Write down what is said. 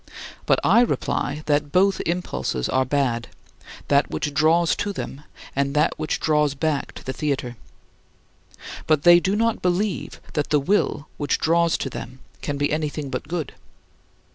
But I reply that both impulses are bad that which draws to them and that which draws back to the theater. But they do not believe that the will which draws to them can be anything but good.